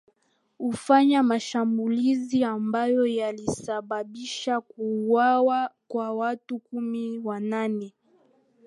ufanya mashambulizi ambayo yalisababisha kuuwawa kwa watu kumi na wanane